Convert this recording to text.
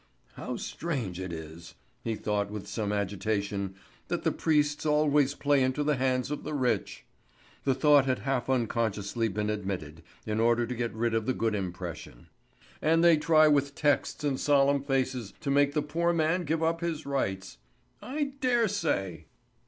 "How strange it is," he thought with some agitation, "that the priests always play into the hands of the rich!" The thought had half unconsciously been admitted, in order to get rid of the good impression. "And they try with texts and solemn faces to make the poor man give up his rights. I dare say!"